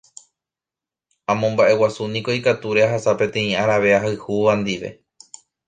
amomba'eguasúniko ikatúre ahasa peteĩ arave ahayhúva ndive